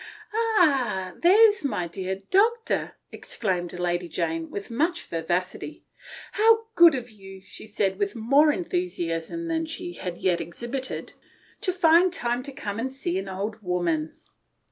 " Ah ! there is my dear doctor," exclaimed Lady Jane, with much vivacity. " How good of you," she said, with more enthusiasm than she had yet exhibited, " to find time to come and see an old woman."